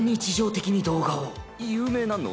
有名なの？